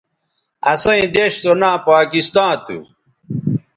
اسئیں دیݜ سو ناں پاکستاں تھو